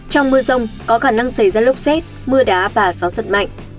trong mưa rông có khả năng xảy ra lốc xét mưa đá và gió giật mạnh